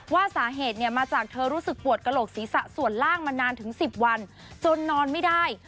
ว่าสาเหตุเนี่ยมาจากเธอรู้สึกปวดกระโหลกศีรษะส่วนล่างมานานถึง๑๐วันจนนอนไม่ได้